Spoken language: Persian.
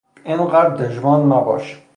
اینقدر دژمان مباش!